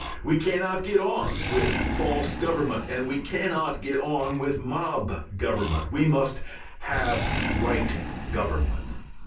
We cannot get on with false government and we cannot get on with mob government; we must have right government.